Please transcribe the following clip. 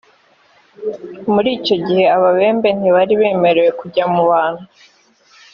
muri icyo gihe ababembe ntibari bemerewe kujya mu bantu